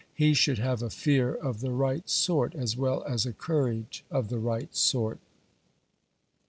He should have a fear of the right sort, as well as a courage of the right sort.